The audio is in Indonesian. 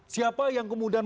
siapa yang kemudian